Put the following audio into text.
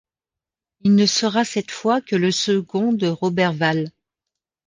Il ne sera cette fois que le second de Roberval.